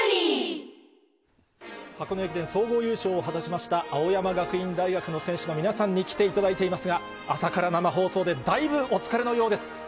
箱根駅伝総合優勝を果たしました青山学院大学の選手の皆さんに来ていただいていますが、朝から生放送でだいぶお疲れのようです。